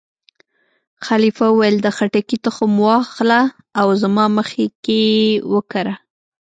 خلیفه وویل: د خټکي تخم وا اخله او زما مخکې یې وکره.